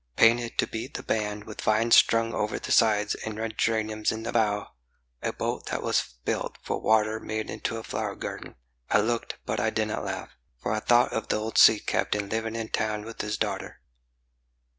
Painted to beat the band, with vines strung over the sides And red geraniums in the bow, a boat that was built for water Made into a flower garden. I looked, but I didn't laugh, For I thought of the old sea captain living in town with his daughter.